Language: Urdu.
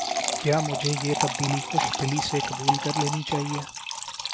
کیا مجھے یہ تبدیلی خوش دلی سے قبول کر لینی چاہیے؟